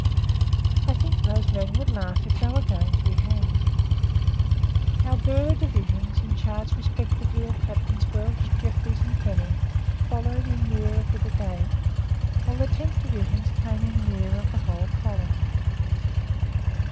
I think those men would laugh if they were going to be hanged. Our bearer divisions, in charge respectively of Captains Welch, Jeffries and Kenny, followed in rear of the Brigade, while the tent divisions came in rear of the whole column.